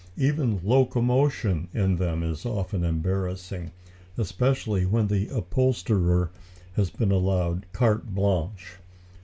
Even locomotion in them is often embarrassing, especially when the upholsterer has been allowed carte blanche.